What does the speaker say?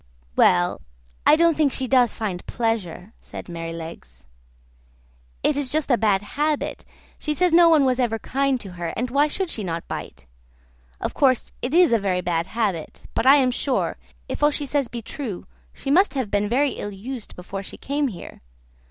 "Well, I don't think she does find pleasure," says Merrylegs; "it is just a bad habit; she says no one was ever kind to her, and why should she not bite? Of course, it is a very bad habit; but I am sure, if all she says be true, she must have been very ill used before she came here.